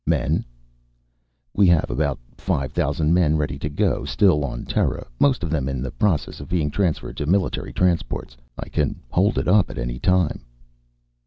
"Men?" "We have about five thousand men ready to go, still on Terra. Most of them in the process of being transferred to military transports. I can hold it up at any time."